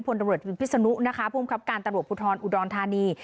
ผลละบินพิษนุผู้ขับการตรวจบุธรอุดรธานี